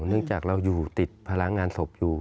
เนื่องจากเราอยู่ติดพลังงานศพอยู่